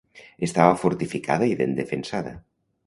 Estava fortificada i ben defensada.